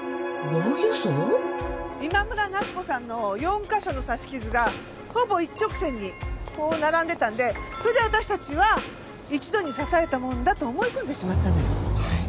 今村奈津子さんの４カ所の刺し傷がほぼ一直線にこう並んでたんでそれで私たちは一度に刺されたものだと思い込んでしまったのよ。